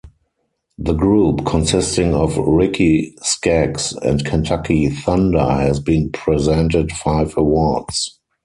The group consisting of Ricky Skaggs and Kentucky Thunder has been presented five awards.